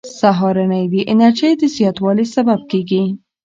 سهارنۍ د انرژۍ د زیاتوالي سبب کېږي.